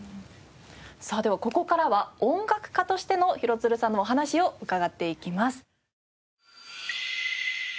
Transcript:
さあではここからは音楽家としての廣津留さんのお話を伺っていきます。